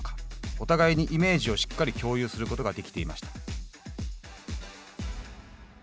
お互いにイメージをしっかり共有することができていました。